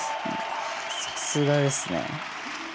さすがですね。